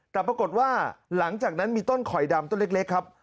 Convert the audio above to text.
แต่ปรากฏว่าหลังจากนั้นมีต้นข่อยดำต้นเล็กครับ